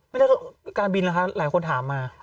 ไม่ได้ต้องการบินหรือคะหลายคนถามมา